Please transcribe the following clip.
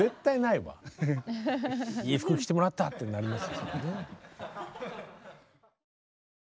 「いい服着てもらった」ってなります。